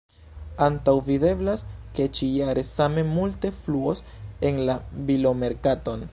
Antaŭvideblas ke ĉi-jare same multe fluos en la bilomerkaton.